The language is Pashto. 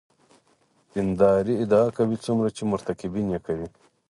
دیندارۍ ادعا کوي څومره چې مرتکبین یې کوي.